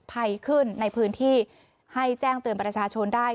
ภัยขึ้นในพื้นที่ให้แจ้งเตือนประชาชนได้